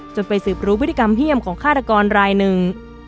ไปสืบรู้พฤติกรรมเยี่ยมของฆาตกรรายหนึ่ง